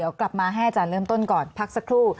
เดี๋ยวกลับมาให้อาจารย์เริ่มต้นก่อนพักสักครู่